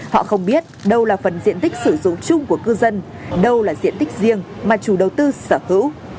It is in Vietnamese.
họ không biết đâu là phần diện tích sử dụng chung của cư dân đâu là diện tích riêng mà chủ đầu tư sở hữu